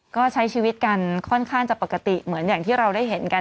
ก็ใช้ชีวิตกันค่อนข้างจะปกติเหมือนอย่างที่เราได้เห็นกัน